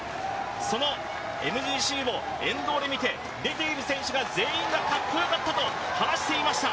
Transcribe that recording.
そのＭＧＣを沿道で見て、出ている選手全員が格好よかったと話していました。